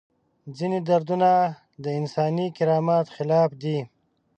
ځینې دودونه د انساني کرامت خلاف دي.